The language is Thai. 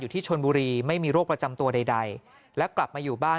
ที่ชนบุรีไม่มีโรคประจำตัวใดและกลับมาอยู่บ้าน